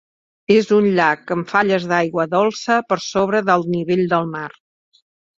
És un llac amb falles d'aigua dolça per sobre del nivell del mar.